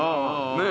ねえ。